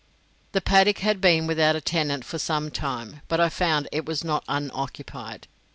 The paddock had been without a tenant for some time, but I found it was not unoccupied.